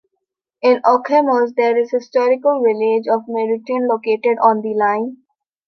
In Okemos, there is a historical village of Meridian located on the line.